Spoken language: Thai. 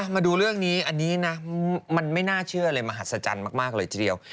มาดูเรื่องนี้อันนี้นะมันไม่น่าเชื่อเลยมหัศจรรย์มากเลยทีเดียว